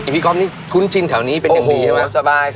อิพิก็อฟนี่คุณชินแถวนี้เป็นอย่างดีหรือไหมโอ้โหสบาย